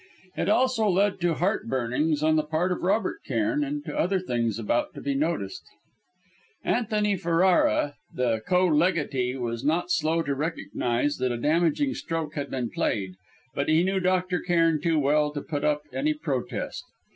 It also led to heart burnings on the part of Robert Cairn, and to other things about to be noticed. Antony Ferrara, the co legatee, was not slow to recognise that a damaging stroke had been played, but he knew Dr. Cairn too well to put up any protest.